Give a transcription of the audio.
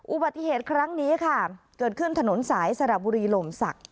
อุบัติเหตุครั้งนี้ค่ะเกิดขึ้นถนนสายสระบุรีหล่มศักดิ